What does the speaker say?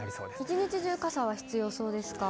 一日中、傘は必要そうですか。